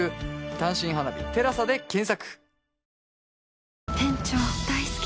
「単身花日テラサ」で検索